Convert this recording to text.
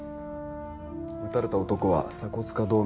撃たれた男は鎖骨下動脈を損傷。